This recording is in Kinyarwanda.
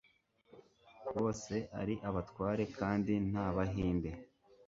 bose ari abatware kandi nta bahinde